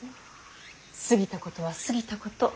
過ぎたことは過ぎたこと。